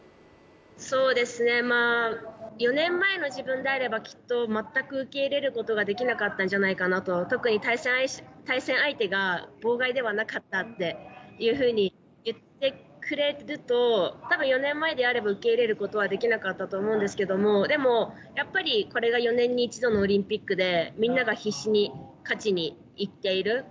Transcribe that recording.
そうですね４年前の自分であればきっと全く受け入れることができなかったんじゃないかなと特に対戦相手が妨害ではなかったっていうふうに言ってくれると４年前であれば受け入れることはできなかったと思うんですけれどでもやっぱりこれが４年に１度のオリンピックでみんなが必死に勝ちにいっている。